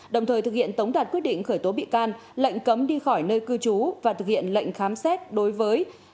đồng thời thực hiện tống đạt quyết định khởi tố bị can lệnh cấm đi khỏi nơi cư trú và thực hiện lệnh khám xét đối với